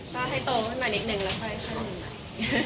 ก็ให้โตขึ้นมานิดหนึ่งแล้วให้ขึ้นหนึ่งหน่อย